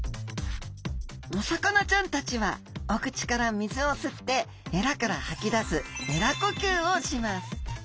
お魚ちゃんたちはお口から水を吸ってエラから吐き出すエラ呼吸をします。